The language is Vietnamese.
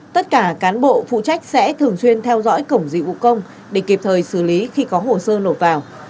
tất cả cán bộ phụ trách sẽ thường xuyên theo dõi cổng dịch vụ công để kịp thời xử lý khi có hồ sơ nộp vào